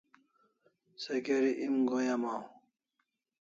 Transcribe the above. Se geri em go'in amaw